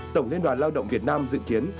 tổng liên đoàn lao động việt nam dự kiến